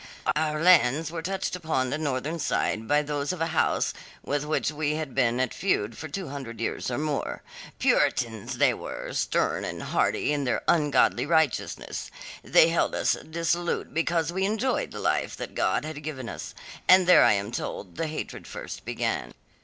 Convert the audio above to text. "Our lands were touched upon the northern side by those of a house with which we had been at feud for two hundred years and more. Puritans they were, stern and haughty in their ungodly righteousness. They held us dissolute because we enjoyed the life that God had given us, and there I am told the hatred first began.